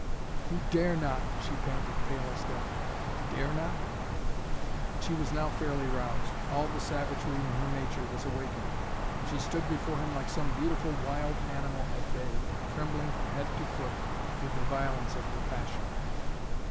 "You dare not!" she panted, pale as death. "Dare not?" But she was now fairly roused. All the savagery in her nature was awakened and she stood before him like some beautiful wild animal at bay, trembling from head to foot with the violence of her passion.